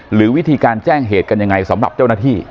หรือวิธีการแจ้งเหตุกันยังไงสำหรับเจ้าหน้าที่